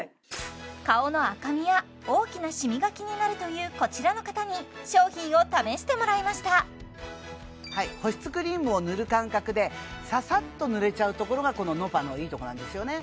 顔の赤みや大きなシミが気になるというこちらの方に商品を試してもらいました保湿クリームを塗る感覚でささっと塗れちゃうところがこのｎｏｐａのいいところなんですよね